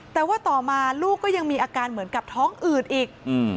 แต่ว่าต่อมาลูกก็ยังมีอาการเหมือนกับท้องอืดอีก